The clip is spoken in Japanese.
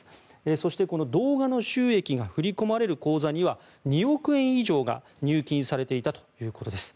そして、この動画の収益が振り込まれる口座には２億円以上が入金されていたということです。